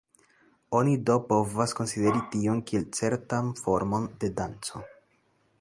Oni do povas konsideri tion kiel certan formon de danco.